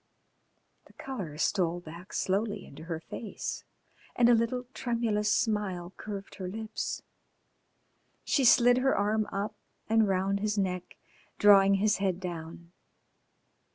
The colour stole back slowly into her face and a little tremulous smile curved her lips. She slid her arm up and round his neck, drawing his head down.